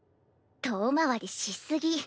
遠回りし過ぎ。